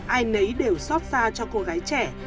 ai nấy đều xót xa cho cô gái trẻ